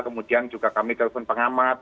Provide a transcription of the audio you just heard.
kemudian juga kami telpon pengamat